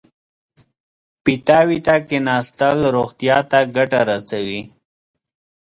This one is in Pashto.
پیتاوي ته کېناستل روغتیا ته ګټه رسوي.